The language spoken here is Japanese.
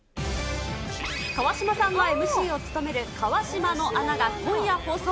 川島さんがＭＣを務めるカワシマの穴が今夜放送。